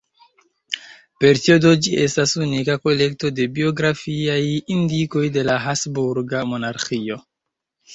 Per tio do ĝi estas unika kolekto de biografiaj indikoj de la habsburga monarĥio.